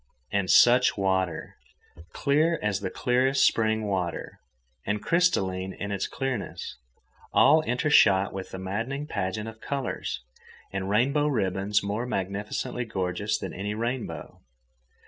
And such water!—clear as the clearest spring water, and crystalline in its clearness, all intershot with a maddening pageant of colours and rainbow ribbons more magnificently gorgeous than any rainbow.